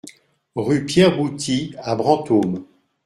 Rue Pierre Bouty à Brantôme